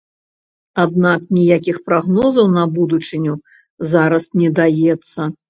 Аднак ніякіх прагнозаў на будучыню зараз не даецца.